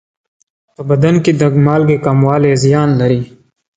په بدن کې د مالګې کموالی زیان لري.